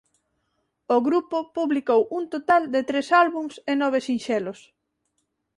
O grupo publicou un total de tres álbums e nove sinxelos.